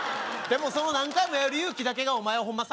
でもその何回もやる勇気だけがお前はホンマ